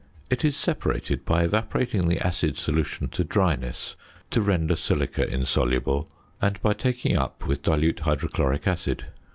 ~ It is separated by evaporating the acid solution to dryness to render silica insoluble, and by taking up with dilute hydrochloric acid.